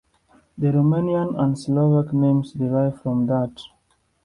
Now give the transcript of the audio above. The Romanian and Slovak names derive from that.